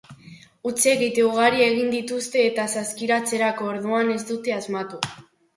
Huts egite ugari egin dituzte eta saskiratzerako orduan ez dute asmatu.